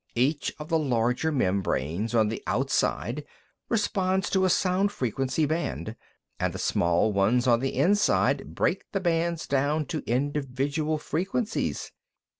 Each of the larger membranes on the outside responds to a sound frequency band, and the small ones on the inside break the bands down to individual frequencies."